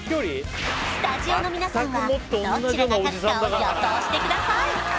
スタジオの皆さんはどちらが勝つかを予想してください